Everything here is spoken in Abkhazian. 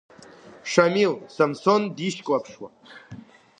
Шамил Самсон дишьклаԥшуа.